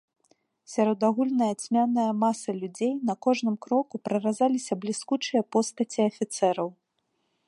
Сярод агульнае цьмянае масы людзей на кожным кроку праразаліся бліскучыя постаці афіцэраў.